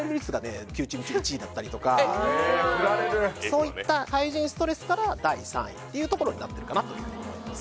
そういった対人ストレスから第３位っていうところになってるかなと思います